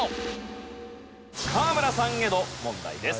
河村さんへの問題です。